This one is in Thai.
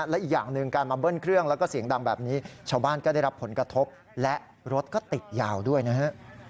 และอีกอย่างหนึ่งการมาเบิ้ลเครื่องแล้วก็เสียงดังแบบนี้ชาวบ้านก็ได้รับผลกระทบและรถก็ติดยาวด้วยนะฮะ